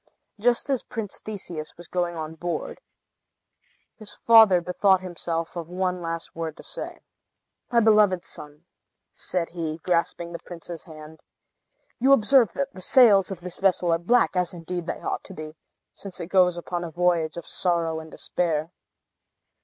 Just as Prince Theseus was going on board, his father bethought himself of one last word to say. "My beloved son," said he, grasping the Prince's hand, "you observe that the sails of this vessel are black; as indeed they ought to be, since it goes upon a voyage of sorrow and despair.